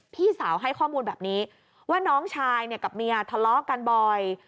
พี่สาวให้ข้อมูลแบบนี้ว่าน้องชายกับเมียทะเลาะกันบ่อย